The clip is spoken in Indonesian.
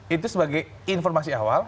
itu sebagai informasi awal